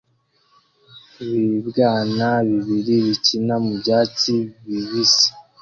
Ibibwana bibiri bikina mubyatsi bibisi